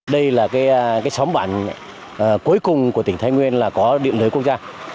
đây là cái xóm bản cuối cùng của tỉnh thái nguyên là có điện lưới quốc gia